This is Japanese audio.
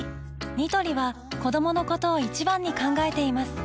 ニトリは子どものことを一番に考えています